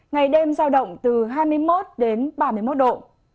ngày đêm giao động từ hai mươi một đến ba mươi một độ